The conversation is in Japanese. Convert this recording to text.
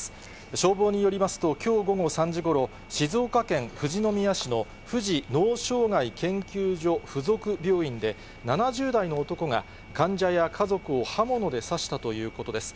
消防によりますと、きょう午後３時ごろ、静岡県富士宮市の富士脳障害研究所附属病院で、７０代の男が患者や家族を刃物で刺したということです。